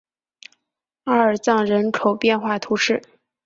阿尔藏人口变化图示